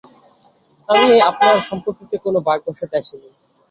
আমি আপনার সম্পত্তিতে কোনও ভাগ বসাতে আসিনি।